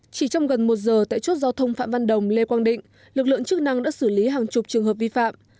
chỉ trong gần một giờ tại chốt giao thông phạm văn đồng lê quang định lực lượng chức năng đã xử lý hàng chục trường hợp vi phạm